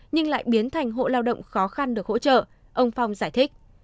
nhưng lại biến thành hộ lao động khó khăn được hỗ trợ ông phong giải thích